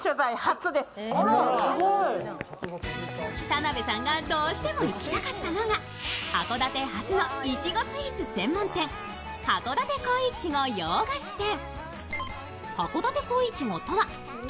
田辺さんがどうしても行きたかったのが函館初のいちごスイーツ専門店、はこだて恋いちご洋菓子店。